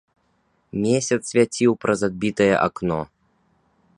Месяц свяціў праз адбітае акно.